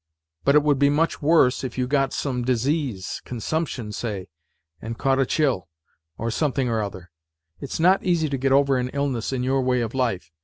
But it would be much worse if you got some disease, consumption, say ... and caught a chill, or something or other. It's not easy to get over an illness in your way of life.